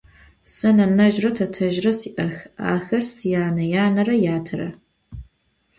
Se nenezjre tetezjre si'ex, axer syane yanere yatere.